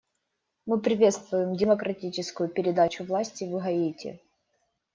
Мы приветствуем демократическую передачу власти в Гаити.